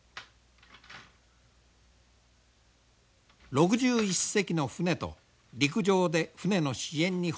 ６１隻の船と陸上で船の支援に奔走する船主たち。